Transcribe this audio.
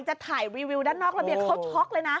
จะถ่ายรีวิวด้านนอกระเบียงเขาช็อกเลยนะ